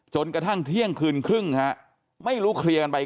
จนกระทั่งเที่ยงคืนครึ่งฮะไม่รู้เคลียร์กันไป